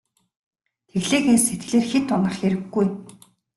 Тэглээ гээд сэтгэлээр хэт унах хэрэггүй.